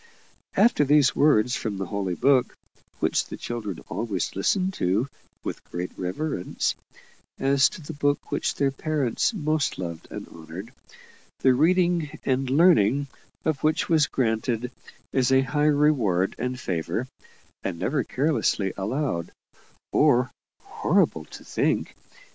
After these words from the Holy Book (which the children always listened to with great reverence, as to the Book which their parents most loved and honoured, the reading and learning of which was granted as a high reward and favour, and never carelessly allowed, or horrible to think!